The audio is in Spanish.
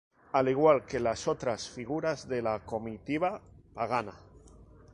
Al igual que las otras figuras de la comitiva pagana.